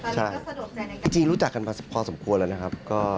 ใช่จริงรู้จักกันมาพอสมควรแล้วนะครับ